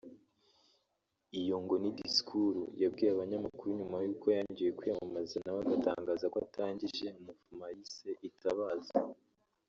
Iyo ngo ni discours yabwiye abanyamakuru nyuma y’uko yangiwe kwiyamamaza nawe agatangaza ko atangije ‘Mouvement’ yise ‘Itabaza’